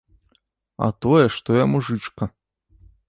А тое, што я мужычка.